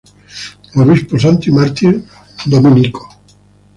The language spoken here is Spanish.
Obispo santo y mártir dominico.